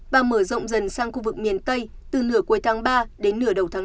và mở rộng dần sang khu vực miền tây từ nửa cuối tháng ba đến nửa đầu tháng năm